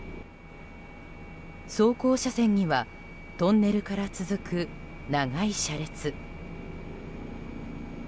走行車線にはトンネルから続く長い車列。